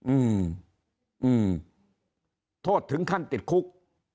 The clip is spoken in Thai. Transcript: อืมอืมโทษถึงขั้นติดคุก